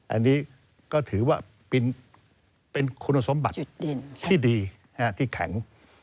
อันนี้ก็ถือว่าเป็นคุณสมบัติที่ดีที่แข็ง